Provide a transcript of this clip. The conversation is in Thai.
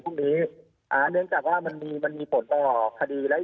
เพราะเนื่องจากว่ามันมีจากปัดมาก